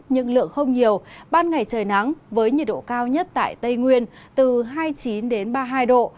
nhưng lượng không nhiều ban ngày trời nắng với nhiệt độ cao nhất tại tây nguyên từ hai mươi chín ba mươi hai độ